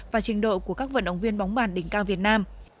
và trình độ của các vận động viên bóng bàn đỉnh cao việt nam